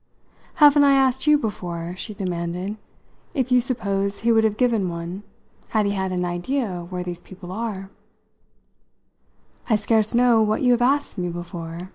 Haven't I asked you before," she demanded, "if you suppose he would have given one had he had an idea where these people are?" "I scarce know what you have asked me before!"